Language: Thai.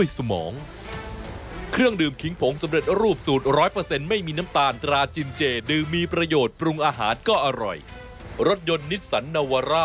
ซักทีคุณเข้าใจจะได้แล้ว